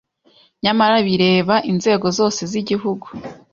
nyamara bireba inzego zose z Igihugu